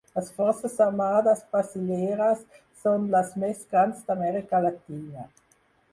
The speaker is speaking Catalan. Les forces armades brasileres són les més grans d'Amèrica Latina.